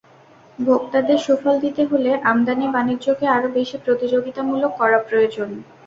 ভোক্তাদের সুফল দিতে হলে আমদানি বাণিজ্যকে আরও বেশি প্রতিযোগিতামূলক করা প্রয়োজন।